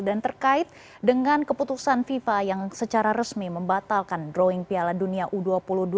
dan terkait dengan keputusan fifa yang secara resmi membatalkan drawing piala dunia u dua puluh dua dua ribu dua puluh tiga